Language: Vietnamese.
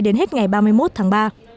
đến hết ngày ba mươi một tháng ba